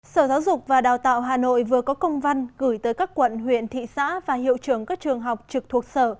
sở giáo dục và đào tạo hà nội vừa có công văn gửi tới các quận huyện thị xã và hiệu trưởng các trường học trực thuộc sở